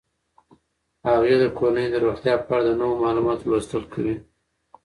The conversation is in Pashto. هغې د کورنۍ د روغتیا په اړه د نویو معلوماتو لوستل کوي.